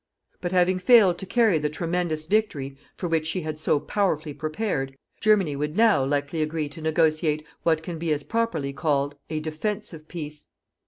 But having failed to carry the tremendous victory for which she had so powerfully prepared, Germany would NOW likely agree to negotiate what can be as properly called a "DEFENSIVE PEACE."